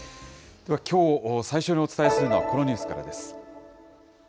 ではきょう最初にお伝えするのは、このニュースからです。